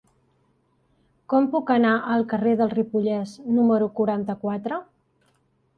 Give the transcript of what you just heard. Com puc anar al carrer del Ripollès número quaranta-quatre?